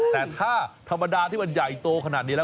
แต่ถ้าธรรมดาที่มันใหญ่โตขนาดนี้แล้ว